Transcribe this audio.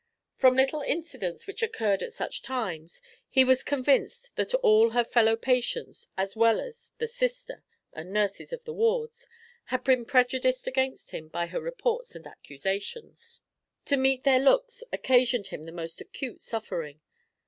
From little incidents which occurred at such times, he was convinced that all her fellow patients, as well as the "sister" and nurses of the wards, had been prejudiced against him by her reports and accusations. To meet their looks occasioned him the most acute suffering.